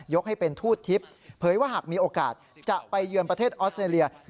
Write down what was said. ให้เป็นทูตทิพย์เผยว่าหากมีโอกาสจะไปเยือนประเทศออสเตรเลีย